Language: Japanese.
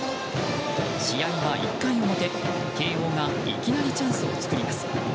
試合は１回表、慶應がいきなりチャンスを作ります。